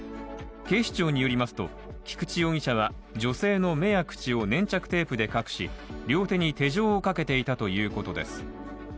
警視庁によりますと、菊地容疑者は女性の目や口を粘着テープで隠し両手に手錠をかけていたということです。